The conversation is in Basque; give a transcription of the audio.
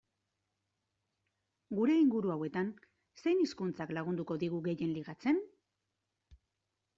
Gure inguru hauetan, zein hizkuntzak lagunduko digu gehien ligatzen?